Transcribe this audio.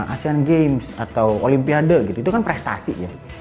asean games atau olimpiade gitu itu kan prestasi ya